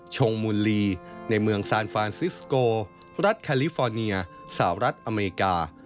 ชงมูลลีในเมืองซานฟานซิสโกรัฐแคลิฟอร์เนียสหรัฐอเมริกา